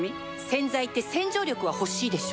洗剤って洗浄力は欲しいでしょ